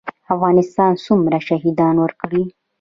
افغانستان څومره شهیدان ورکړي؟